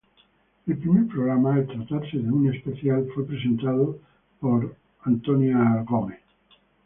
El primer programa, al tratarse de un especial, fue presentado por Ana Rosa Quintana.